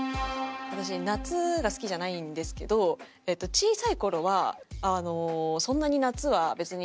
私夏が好きじゃないんですけど小さい頃はそんなに夏は別に大丈夫で。